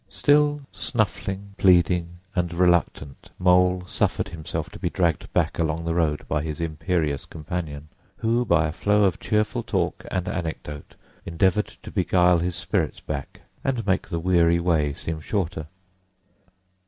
Still snuffling, pleading, and reluctant, Mole suffered himself to be dragged back along the road by his imperious companion, who by a flow of cheerful talk and anecdote endeavoured to beguile his spirits back and make the weary way seem shorter.